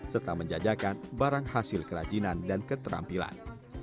serta menjajakan barang hasil kerajinan dan keterampilan